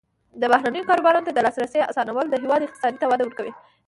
د بهرنیو کاروبارونو ته د لاسرسي اسانول د هیواد اقتصاد ته وده ورکوي.